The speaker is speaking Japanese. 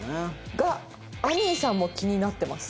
「があにーさんも気になってます」。